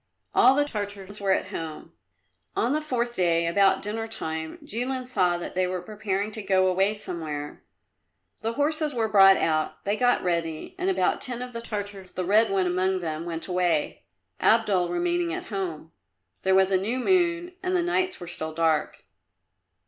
All the Tartars were at home. On the fourth day, about dinner time, Jilin saw that they were preparing to go away somewhere. The horses were brought out, they got ready, and about ten of the Tartars, the red one among them, went away, Abdul remaining at home. There was a new moon and the nights were still dark.